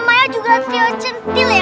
namanya juga trio centil ya